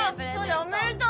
おめでとう！